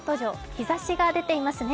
日ざしが出ていますね。